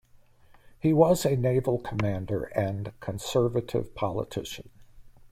He was a naval commander and Conservative politician.